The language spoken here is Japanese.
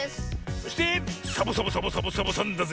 そしてサボサボサボサボサボさんだぜえ。